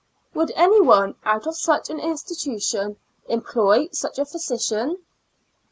'' Would any one, out of such an institution, employ such a physician ?